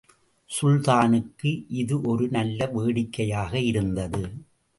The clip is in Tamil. சுல்தானுக்கு இது ஒரு வேடிக்கையாக இருந்தது.